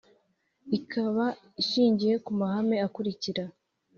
ikaba ishingiye ku mahame akurikira: